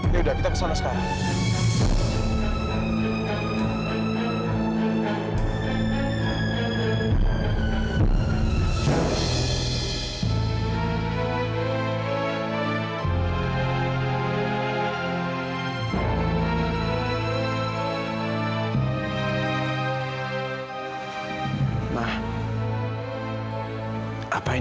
ya udah kita kesana sekarang